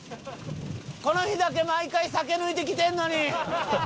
この日だけ毎回酒抜いてきてんのに。